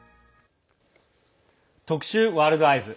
特集「ワールドＥＹＥＳ」。